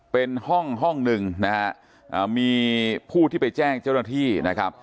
เป็นห้องห้องหนึ่งนะฮะมีผู้ที่ไปแจ้งเจ้าหน้าที่นะครับ